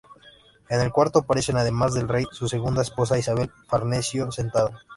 En el cuadro aparecen, además del rey, su segunda esposa, Isabel Farnesio, sentada.